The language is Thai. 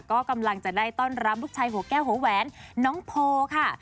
ก็กำลังจะได้ต้อนรับลูกชายหัวแก้วหัวแหวนน้องโพค่ะ